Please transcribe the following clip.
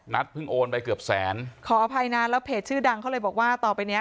เพิ่งโอนไปเกือบแสนขออภัยนะแล้วเพจชื่อดังเขาเลยบอกว่าต่อไปเนี้ย